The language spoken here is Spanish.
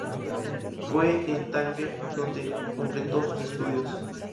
Fue en Tánger donde completó sus estudios.